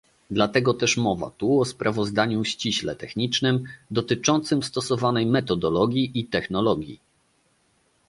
Dlatego też mowa tu o sprawozdaniu ściśle technicznym, dotyczącym stosowanej metodologii i technologii